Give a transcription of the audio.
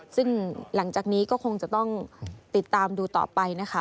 ซึ่งหลังจากนี้ก็คงจะต้องติดตามดูต่อไปนะคะ